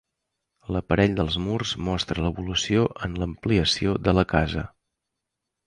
L'aparell dels murs mostra l'evolució en l'ampliació de la casa.